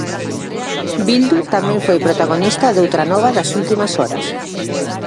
Bildu tamén foi protagonista doutra nova das últimas horas.